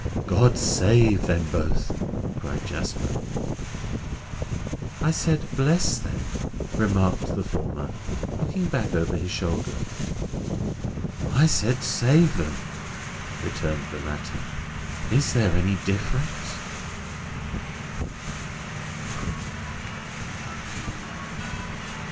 "God save them both!" cried Jasper. "I said, bless them," remarked the former, looking back over his shoulder. "I said, save them," returned the latter. "Is there any difference?"